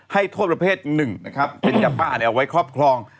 ให้โทษประเภทหนึ่งนะครับเป็นยาบ้าเอาไว้ครอบครอง